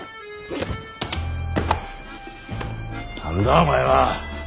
何だお前は？